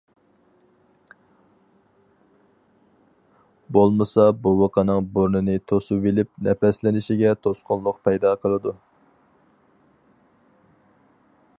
بولمىسا بوۋىقىنىڭ بۇرنىنى توسۇۋېلىپ نەپەسلىنىشىگە توسقۇنلۇق پەيدا قىلىدۇ.